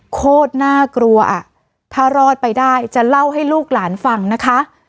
โคตรน่ากลัวถ้ารอดไปได้จะเล่าให้ลูกหลานฟังนะคะ